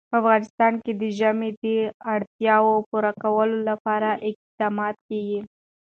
په افغانستان کې د ژمی د اړتیاوو پوره کولو لپاره اقدامات کېږي.